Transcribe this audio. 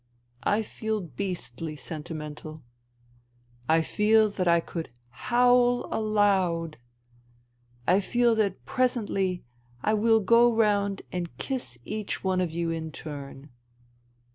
I feel beastly sentimental. I feel that I could howl aloud. I feel that presently I will go round and kiss each one of you in turn.